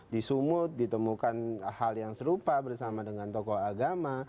disumut ditemukan hal yang serupa bersama dengan tokoh agama